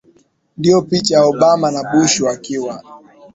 Ndio picha ya Obama na Bush wakiwa